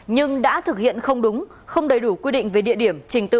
nhưng đã thực hiện không đúng không đầy đủ quy định về địa điểm trình tự